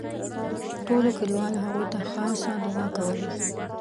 ټولو کلیوالو هغوی ته خاصه دوعا کوله.